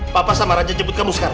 papa sama raja jemput kamu sekarang